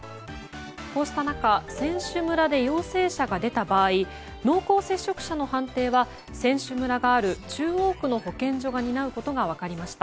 こうした中、選手村で陽性者が出た場合濃厚接触者の判定は選手村がある中央区の保健所が担うことが分かりました。